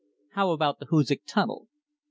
How about the Hoosac Tunnel ?